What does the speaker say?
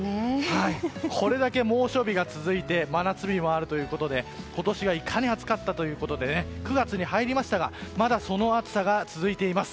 これだけ猛暑日が続いて真夏日もあるということで今年がいかに暑かったかということで９月に入りましたがまだ、その暑さが続いています。